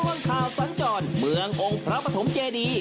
ตลอดข่าวสัญจรเมืององค์พระปฐมเจดี